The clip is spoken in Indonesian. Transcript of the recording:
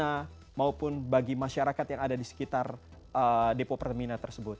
dilakukan oleh pihak pertamina maupun bagi masyarakat yang ada di sekitar depo pertamina tersebut